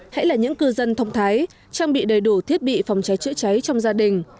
hãy là những cư dân thông thái trang bị đầy đủ thiết bị phòng cháy chữa cháy trong gia đình